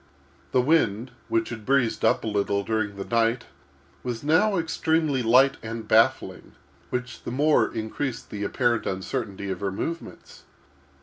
The wind, which had breezed up a little during the night, was now extremely light and baffling, which the more increased the apparent uncertainty of her movements.